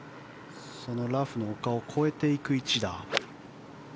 そのラフの丘を越えていく一打。